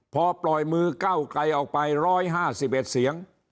พอปล่อยมือเก้าไกลออกไปร้อยห้าสิบเอ็ดเสียง